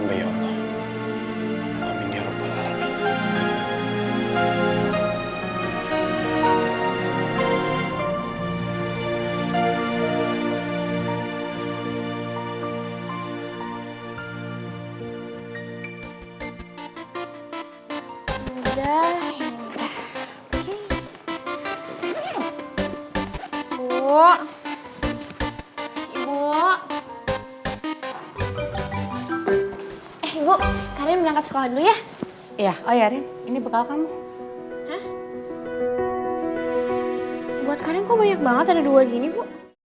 buat karin kok banyak banget ada dua gini bu